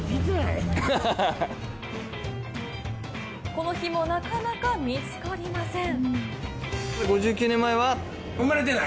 この日もなかなか見つかりません。